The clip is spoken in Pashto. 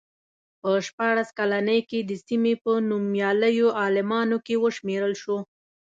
په شپاړس کلنۍ کې د سیمې په نومیالیو عالمانو کې وشمېرل شو.